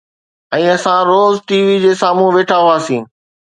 ۽ اسان روز T V جي سامهون ويٺا هئاسين